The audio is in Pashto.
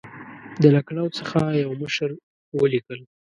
د لکنهو څخه یوه مشر ولیکل.